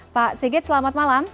pak sigit selamat malam